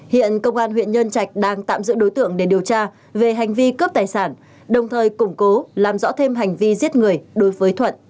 hiện công an huyện nhân trạch đang tạm giữ đối tượng để điều tra về hành vi cướp tài sản para partie cướp lright and matters đồng thời củng cố làm rõ thêm hành vi giết người đối với thuận chủ yếu